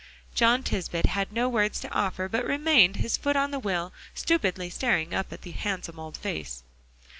John Tisbett had no words to offer, but remained, his foot on the wheel, stupidly staring up at the handsome old face.